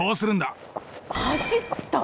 走った！